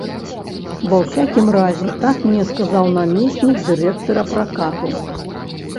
Ва ўсякім разе, так мне сказаў намеснік дырэктара пракату.